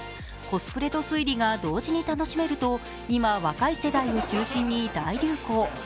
コスプレと推理が同時に楽しめると今、若い世代を中心に大流行。